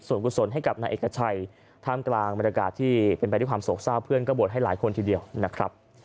ส่วนกุศลให้กับนายเอกชัยท่ามกลางบรรยากาศที่เป็นไปด้วยความโศกเศร้าเพื่อนก็บวชให้หลายคนทีเดียวนะครับ